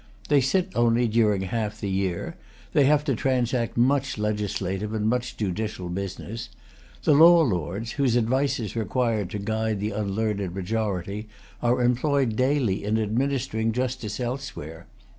They sit only during half the year. They have to transact much legislative and much judicial business. The law lords, whose advice is required to guide the unlearned majority, are employed daily in administering justice elsewhere.